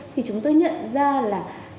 thì chúng tôi nhận ra là